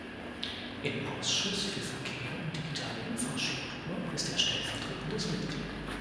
Im Ausschuss für Verkehr und digitale Infrastruktur ist er stellvertretendes Mitglied.